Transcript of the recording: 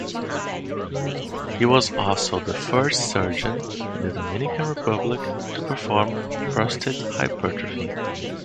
He was also the first surgeon in the Dominican Republic to perform prostate hypertrophy.